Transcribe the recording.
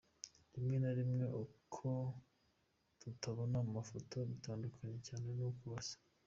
Rimwe na rimwe uko tubabona mu mafoto bitandukanye cyane n’uko basa .